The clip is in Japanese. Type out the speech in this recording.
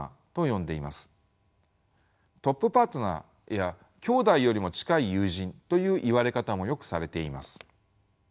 トップパートナーや兄弟よりも近い友人という言われ方もよくされています。